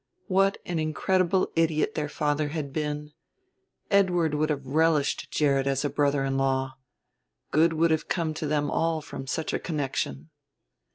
What an incredible idiot their father had been: Edward would have relished Gerrit as a brother in law; good would have come to them all from such a connection.